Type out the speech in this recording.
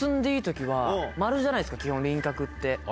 丸じゃないですか基本輪郭って。